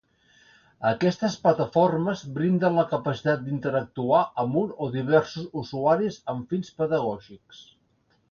Aquestes plataformes brinden la capacitat d'interactuar amb un o diversos usuaris amb fins pedagògics.